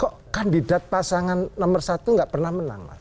kok kandidat pasangan nomor satu nggak pernah menang